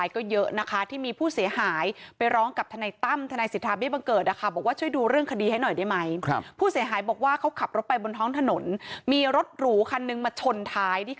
ก็เยอะนะคะที่มีผู้เสียหายไปร้องกับทันายตั้งทันายอ๋อ